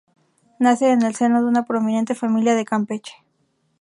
Nace en el seno de una prominente familia de Campeche.